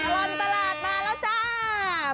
ตลอดตลาดมาแล้วจ้า